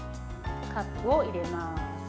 カップを入れます。